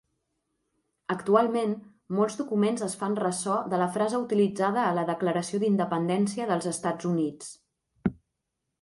Actualment, molts documents es fan ressò de la frase utilitzada a la Declaració d'Independència dels Estats Units.